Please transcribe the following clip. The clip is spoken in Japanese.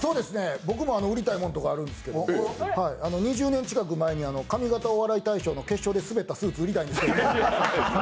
僕も売りたいもんとかあるんですけど２０年近く前に上方お笑い大賞で滑ったスーツを売りたい。